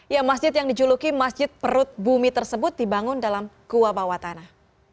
ya masjid yang dijuluki masjid perut bumi tersebut dibangun dalam gua bawah tanah